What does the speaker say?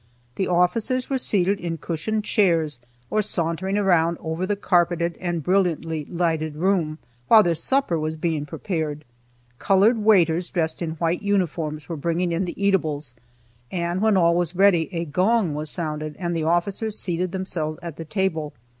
The officers were seated in cushioned chairs, or sauntering around over the carpeted and brilliantly lighted room, while their supper was being prepared. Colored waiters dressed in white uniforms were bringing in the eatables, and when all was ready, a gong was sounded and the officers seated themselves at the table.